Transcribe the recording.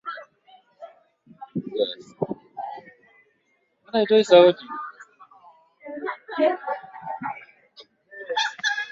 Elfu moja mia tisa na sitini hadi mwaka elfu moja mia tisa na sabini